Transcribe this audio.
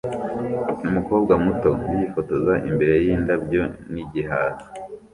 Umukobwa muto yifotoza imbere yindabyo nigihaza